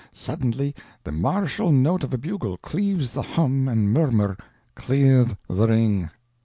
"Suddenly, the martial note of a bugle cleaves the hum and murmur—clear the ring!